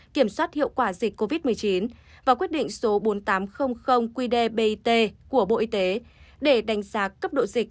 kiểm soát hiệu quả dịch covid một mươi chín và quyết định số bốn nghìn tám trăm linh qdbit của bộ y tế để đánh giá cấp độ dịch